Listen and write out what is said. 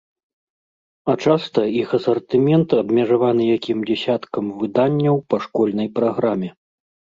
А часта іх асартымент абмежаваны якім дзясяткам выданняў па школьнай праграме.